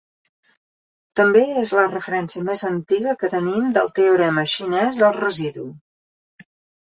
També és la referència més antiga que tenim del Teorema xinès del residu.